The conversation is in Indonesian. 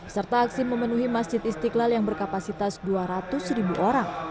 serta aksi memenuhi masjid istiqlal yang berkapasitas dua ratus ribu orang